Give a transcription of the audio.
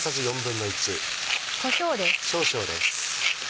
こしょうです。